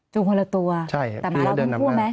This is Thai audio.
จูงคนละตัวแต่มาแล้วเป็นคู่ไหม